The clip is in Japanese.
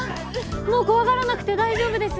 もう怖がらなくて大丈夫ですよ。